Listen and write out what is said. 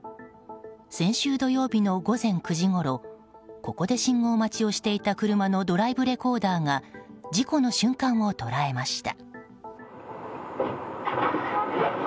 先週土曜日の午前九時ごろここで信号待ちをしていた車のドライブレコーダーが事故の瞬間を捉えました。